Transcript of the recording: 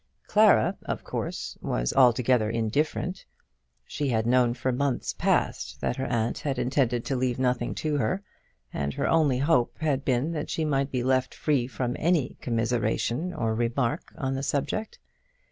Clara, of course, was altogether indifferent. She had known for months past that her aunt had intended to leave nothing to her, and her only hope had been that she might be left free from any commiseration or remark on the subject.